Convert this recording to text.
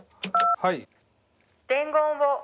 はい。